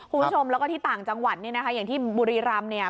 คุณชมแล้วก็ที่ต่างจังหวันอย่างที่บุรีรำ